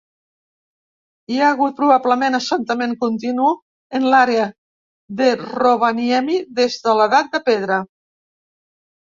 Hi ha hagut probablement assentament continu en l'àrea de Rovaniemi des de l'edat de pedra.